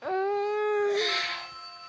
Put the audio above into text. うん。